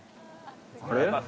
あれ？